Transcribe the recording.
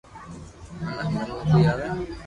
منو ھمج ۾ ڪوئي آوي